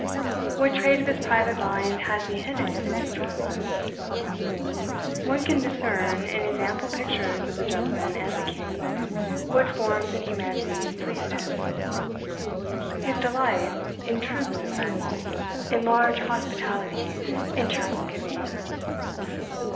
What trait of his private mind has he hidden in his dramas? One can discern, in his ample pictures of the gentleman and the king, what forms and humanities pleased him; his delight in troops of friends, in large hospitality, in cheerful giving.